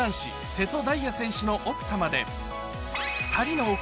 瀬戸大也選手の奥様で